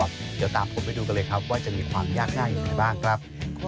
เดี๋ยวตามผมไปดูกันเลยครับ